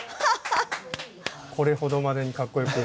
これほどまでにかっこよく。